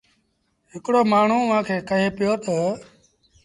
هڪڙو مآڻهوٚٚݩ اُئآݩ کي ڪهي پيو تا